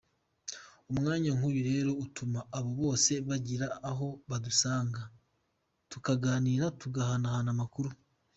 Umwanya nk’uyu rero utuma abo bose bagira aho badusanga tukaganira tugahanahana amakuru.